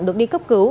được đi cấp cứu